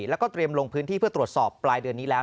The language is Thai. แล้วก็เตรียมลงพื้นที่เพื่อตรวจสอบปลายเดือนนี้แล้ว